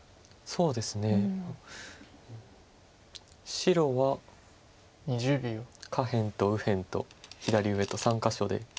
白は下辺と右辺と左上と３か所で。